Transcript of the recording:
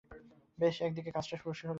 বেশ, একদিকে, কাজটা শিশুসুলভ।